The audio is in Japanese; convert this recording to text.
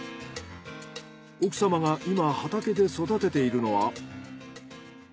奥様が今畑で育てているのは。